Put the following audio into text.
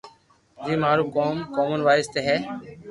جيم مارو ڪوم ڪومن وائس تو ھي